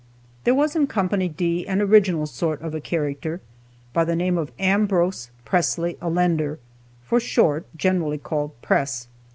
There was in Company D an original sort of a character, by the name of Ambrose Pressley Allender, for short, generally called "Press."